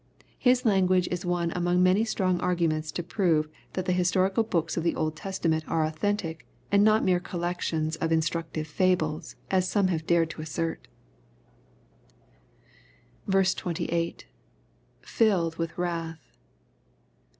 His language is one among many strong arguments to prove that the historical b ooks o f the Old Testament are authentic, and not mere collections dt mstructive fables, as some have dared to assert ^ 28. — [Filled with wrath.